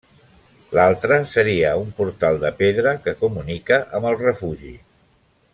L'altra seria un portal de pedra que comunica amb el refugi.